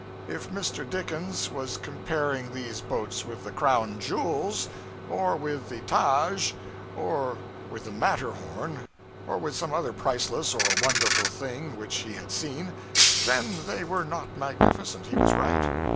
If Mr. Dickens was comparing these boats with the crown jewels; or with the Taj, or with the Matterhorn; or with some other priceless or wonderful thing which he had seen, they were not magnificent he was right.